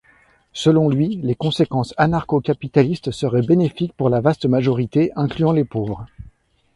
Selon lui, les conséquences anarcho-capitalistes seraient bénéfiques pour la vaste majorité, incluant les pauvres.